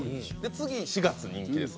次４月人気です。